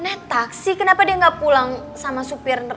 nah taksi kenapa dia nggak pulang sama supir